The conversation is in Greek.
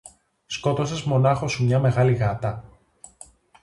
Σκότωσες μονάχος σου μια μεγάλη γάτα;